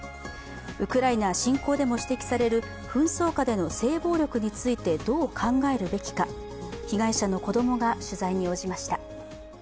ウクライナ侵攻でも指摘される紛争下での性暴力についてどう考えるべきか、被害者の子供が取材に応じました。